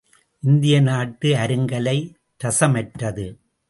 இந்திய நாட்டு அருங்கலை ரசமற்றது.